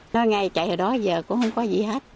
nói ngay chạy rồi đó giờ cũng không có gì hết